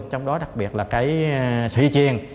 trong đó đặc biệt là cái